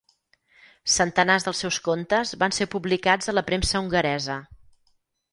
Centenars dels seus contes van ser publicats a la premsa hongaresa.